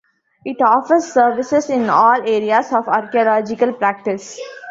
It offers services in all areas of archaeological practice.